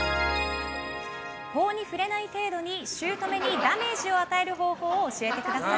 法に触れない程度に姑にダメージを与える方法を教えてください。